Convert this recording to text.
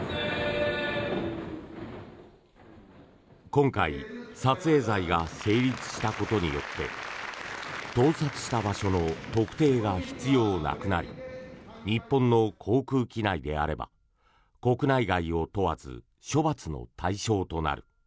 今回、撮影罪が成立したことによって盗撮した場所の特定が必要なくなり日本の航空機内であれば国内外を問わず処罰の対象となる。